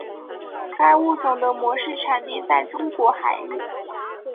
该物种的模式产地在中国海域。